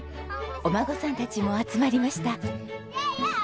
お孫さんたちも集まりました。